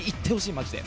マジで。